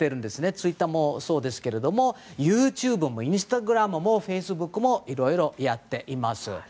ツイッターもそうですけどもＹｏｕＴｕｂｅもインスタグラムもフェイスブックもといろいろやっています。